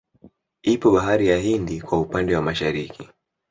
Ipo bahari ya Hindi kwa upande wa Mashariki